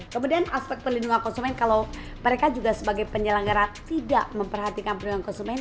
kemudian aspek perlindungan konsumen kalau mereka juga sebagai penyelenggara tidak memperhatikan perlindungan konsumen